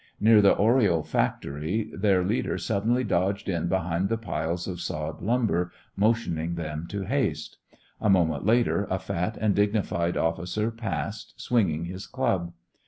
Near the Oriole Factory their leader suddenly dodged in behind the piles of sawed lumber, motioning them to haste. A moment later a fat and dignified officer passed, swinging his club.